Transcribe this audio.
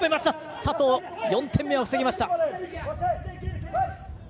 佐藤、４点目を防ぎました。